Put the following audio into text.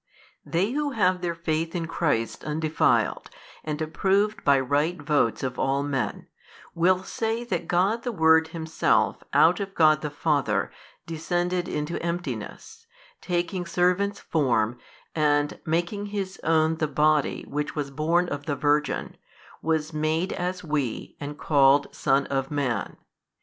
They who have their faith in Christ undefiled, and approved by right votes of all men, will say that God the Word Himself out of God the Father descended into emptiness, taking servant's form and, making His own the Body which was born of the Virgin, was made as we and called Son of Man.